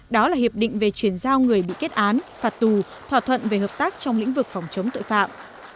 đó là hiệp định về chuyển giao người bị kết án phạt tù thỏa thuận về hợp tác trong lĩnh vực phòng chống tội phạm